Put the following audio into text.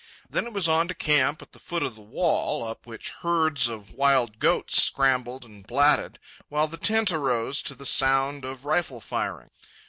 Then it was on to camp at the foot of the wall, up which herds of wild goats scrambled and blatted, while the tent arose to the sound of rifle firing.